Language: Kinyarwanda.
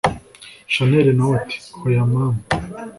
chanella nawe ati: hoya mama,